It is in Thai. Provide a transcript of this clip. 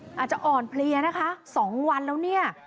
อาจจะอ่อนเพลียนะคะ๒วันแล้วเนี่ย